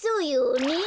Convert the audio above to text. ねえ。